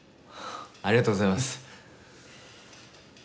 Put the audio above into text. ありがとうございます！